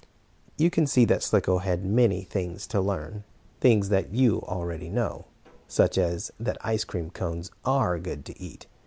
You can see that Slicko had many things to learn things that you know already, such as that ice cream cones are good to eat.